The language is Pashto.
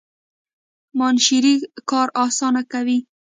ماشینري کار اسانه کوي.